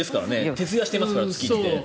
徹夜してますから、月１で。